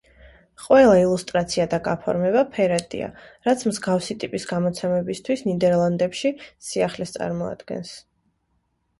ყველა ილუსტრაცია და გაფორმება ფერადია, რაც მსგავსი ტიპის გამოცემებისათვის ნიდერლანდებში სიახლეს წარმოადგენს.